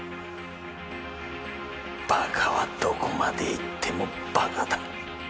馬鹿はどこまで行っても馬鹿だ。